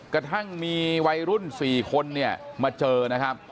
กระทั่งมีวัยรุ่น๔คนเนี่ยมาเจอนะครับ